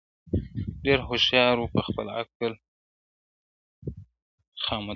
ډېر هوښیار وو په خپل عقل خامتماوو -